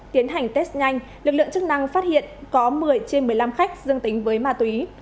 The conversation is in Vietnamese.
tiến hành test nhanh lực lượng chức năng phát hiện có một mươi trên một mươi năm khách dương tính với ma túy